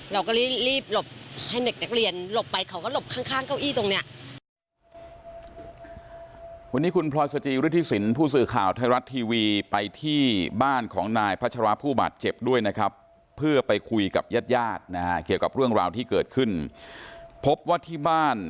เราก็รีบหลบให้เด็กนักเรียนหลบไปเขาก็หลบข้างเก้าอี้ตรงนี้